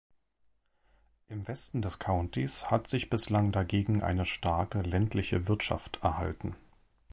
Im Westen des Countys hat sich bislang dagegen eine starke ländliche Wirtschaft erhalten.